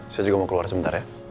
saya juga mau keluar sebentar ya